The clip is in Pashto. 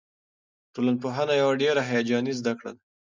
ټولنپوهنه یوه ډېره هیجاني زده کړه ده.